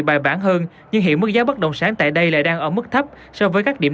bài bản hơn nhưng hiện mức giá bất động sản tại đây lại đang ở mức thấp so với các điểm